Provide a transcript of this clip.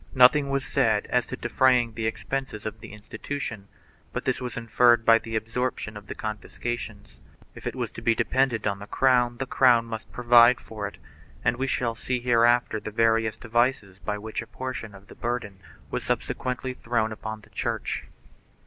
Nothing was said as to defraying the expenses of the institution, but this was inferred by the absorption of the confiscations. If it was to be dependent on the crown the crown must provide for it, and we shall see hereafter the various devices by which a portion of the burden was subsequently thrown upon the Church.